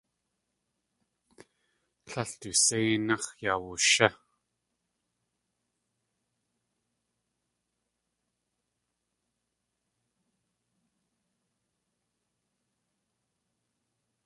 Tlél du séináx̲ yawushí.